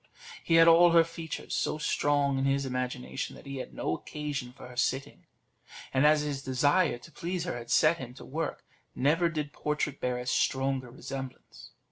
He had all her features so strong in his imagination, that he had no occasion for her sitting; and as his desire to please her had set him to work, never did portrait bear a stronger resemblance.